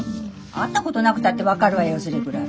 会ったことなくたって分かるわよそれぐらい。